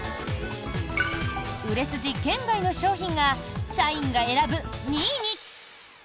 売れ筋圏外の商品が社員が選ぶ２位に。